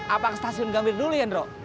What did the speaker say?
apa ke stasiun gambir dulu yandro